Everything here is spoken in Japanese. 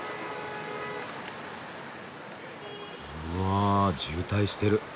うわ渋滞してる。